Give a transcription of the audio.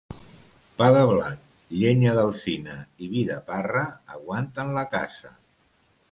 Pa de blat, llenya d'alzina i vi de parra aguanten la casa.